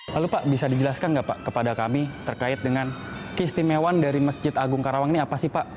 lalu pak bisa dijelaskan nggak pak kepada kami terkait dengan keistimewaan dari masjid agung karawang ini apa sih pak